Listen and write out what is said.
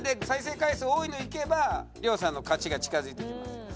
再生回数多いのいけば亮さんの勝ちが近づいてきます。